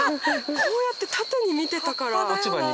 こうやって縦に見てたから。